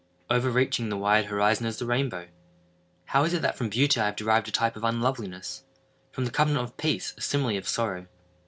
Overreaching the wide horizon as the rainbow! How is it that from beauty I have derived a type of unloveliness?—from the covenant of peace, a simile of sorrow?